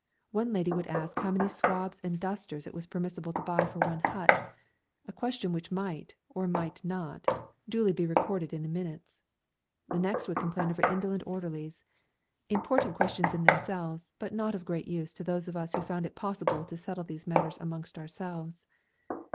One lady would ask how many swabs and dusters it was permissible to buy for one hut a question which might, or might not, duly be recorded in the minutes. The next would complain of her indolent orderlies. Important questions in themselves, but not of great use to those of us who found it possible to settle these matters amongst ourselves!